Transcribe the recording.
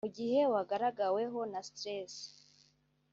Mu gihe wagaragaweho na stress